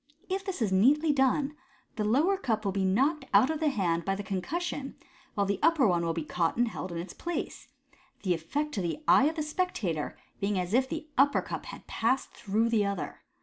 If this is neatly done, the lower cup will be knocked out of the hand by the concussion, while the upper one will be caught and held in its place ; the effect to the eye of the spectator being as if the upper cup had passed through the other.